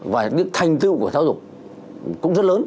và những thành tựu của giáo dục cũng rất lớn